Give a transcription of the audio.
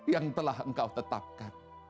yang telah engkau tetapkan